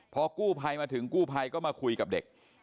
พอกู้ภัยมาถึงกู้ภัยก็มาคุยกับเด็ก